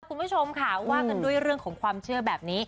คุณผู้ชมค่ะว่ากันด้วยเรื่องของความเชื่อแบบนี้